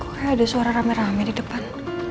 kok kayak ada suara rame rame di depan